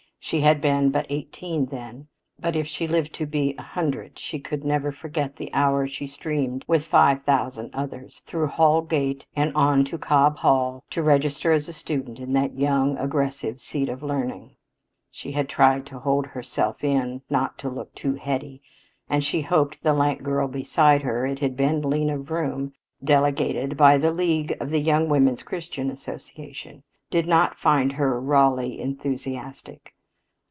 She had been but eighteen then, but if she lived to be a hundred she never could forget the hour she streamed with five thousand others through Hull Gate and on to Cobb Hall to register as a student in that young, aggressive seat of learning. She had tried to hold herself in; not to be too "heady"; and she hoped the lank girl beside her it had been Lena Vroom, delegated by the League of the Young Women's Christian Association did not find her rawly enthusiastic.